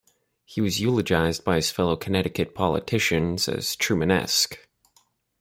He was eulogized by his fellow Connecticut politicians as Trumanesque.